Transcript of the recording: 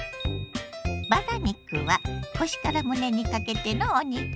バラ肉は腰から胸にかけてのお肉。